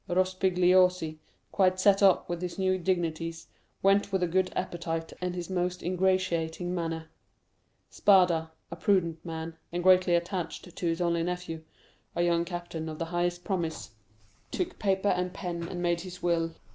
Rospigliosi, quite set up with his new dignities, went with a good appetite and his most ingratiating manner. Spada, a prudent man, and greatly attached to his only nephew, a young captain of the highest promise, took paper and pen, and made his will.